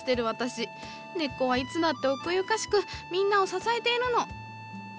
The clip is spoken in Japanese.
根っこはいつだって奥ゆかしくみんなを支えているの。